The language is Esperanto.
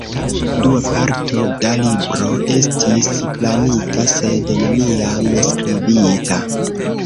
Dua parto da libro estis planita sed neniam skribita.